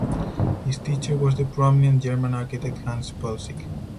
His teacher was the prominent German architect Hans Poelzig.